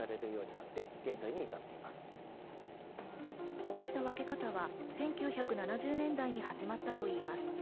こうした分け方は１９７０年代に始まったといいます。